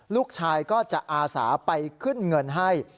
ลูกชายก็จะอาสาไปขึ้นเงินให้